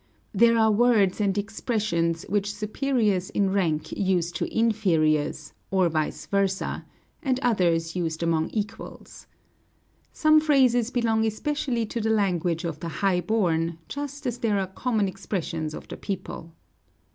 There are words and expressions which superiors in rank use to inferiors, or vice versa, and others used among equals. Some phrases belong especially to the language of the high born, just as there are common expressions of the people.